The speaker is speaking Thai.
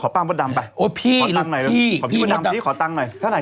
พูดเป็นไหม